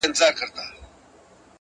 قهر د شینکي اسمان ګوره چي لا څه کیږي-